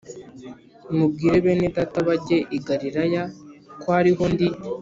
mubwire bene Data bajye i Galilaya ko ariho ndi